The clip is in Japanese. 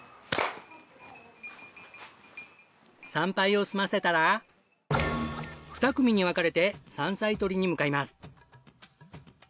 参拝を済ませたら２組に分かれて山菜採りに向かいます。